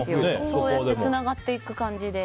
そうやってつながっていく感じで。